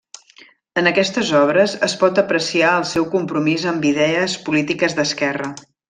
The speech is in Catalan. En aquestes obres es pot apreciar el seu compromís amb idees polítiques d'esquerra.